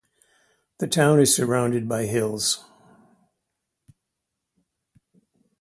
The town is surrounded by hills.